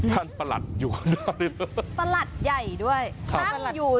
ด้านเปล่าอยู่มาได้เลย